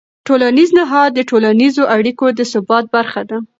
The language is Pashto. ټولنیز نهاد د ټولنیزو اړیکو د ثبات برخه ده.